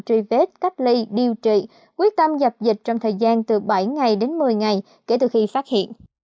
truy vết cách ly điều trị quyết tâm dập dịch trong thời gian từ bảy ngày đến một mươi ngày kể từ khi phát hiện